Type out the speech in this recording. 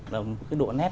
là một cái độ nét